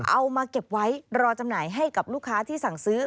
เอามาเก็บไว้รอจำหน่ายให้กับลูกค้าที่สั่งซื้อ